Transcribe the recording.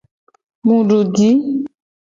Mu du ji.